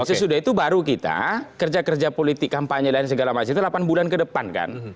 sesudah itu baru kita kerja kerja politik kampanye dan segala macam itu delapan bulan ke depan kan